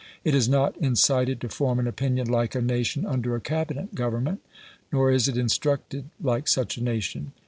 It is not incited to form an opinion like a nation under a Cabinet government; nor is it instructed like such a nation.